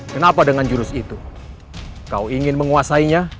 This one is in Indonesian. kenapa dengan jurus itu kau ingin menguasainya